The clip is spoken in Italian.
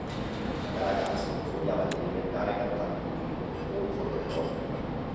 Da ragazzo sognava di diventare cantante lirico, o un fotoreporter.